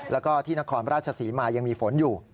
แล้วก็ที่นครราชศรีมายังมีฝนอยู่